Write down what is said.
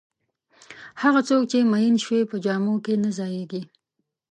هغه څوک چې میین شوی په جامو کې نه ځایېږي.